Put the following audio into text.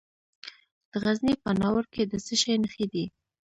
د غزني په ناور کې د څه شي نښې دي؟